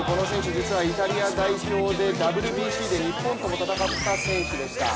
実はイタリア代表で、ＷＢＣで日本とも戦った選手でした。